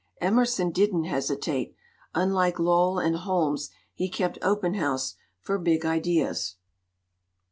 Emerson didn't hesi tate unlike Lowell and Holmes, he kept open house for big ideas."